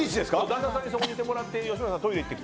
旦那さんにそこにいてもらって吉村さんはトイレに行って。